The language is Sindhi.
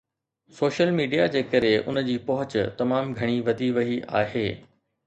سوشل ميڊيا جي ڪري ان جي پهچ تمام گهڻي وڌي وئي آهي.